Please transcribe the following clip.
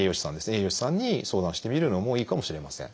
栄養士さんに相談してみるのもいいかもしれません。